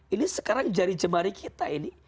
ini sekarang jari jemari kita ini